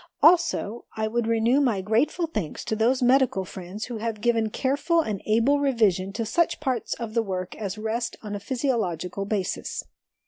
Also, I would renew my grateful thanks to those medical friends who have given careful and able revision to such parts of the work as rest on a physiological basis.